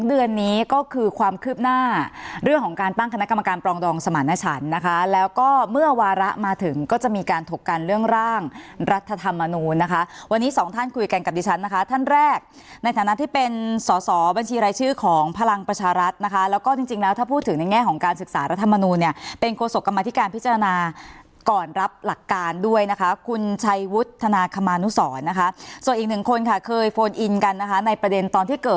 เดือนนี้ก็คือความคืบหน้าเรื่องของการตั้งคณะกรรมการปลองดองสมรรณชันนะคะแล้วก็เมื่อวาระมาถึงก็จะมีการถกกันเรื่องร่างรัฐธรรมนูญนะคะวันนี้สองท่านคุยกันกับดิฉันนะคะท่านแรกในฐานะที่เป็นสอสอบัญชีรายชื่อของพลังประชารัฐนะคะแล้วก็จริงจริงแล้วถ้าพูดถึงในแง่ของการศึกษารัฐธรรมนูญเนี่ยเป